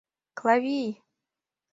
— Клавий!..